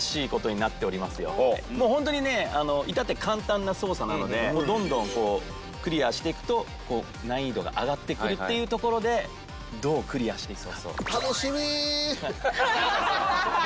もうホントにね至って簡単な操作なのでどんどんクリアしていくと難易度が上がってくるっていうところでどうクリアしていくか。